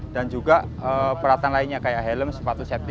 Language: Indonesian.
dan juga peratan lainnya kayak helm sepatu safety